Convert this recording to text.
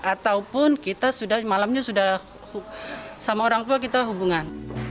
ataupun kita sudah malamnya sudah sama orang tua kita hubungan